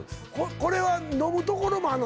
これは飲むところもあんの？